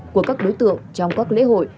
của các đối tượng trong các lễ hội